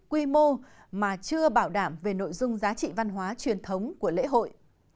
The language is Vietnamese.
quy mô mà chưa bảo đảm về nội dung giá trị văn hóa truyền thống của lễ hội